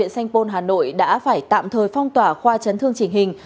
sanh pôn hà nội đã phải tạm thời phong tỏa khoa chấn thương chỉnh hình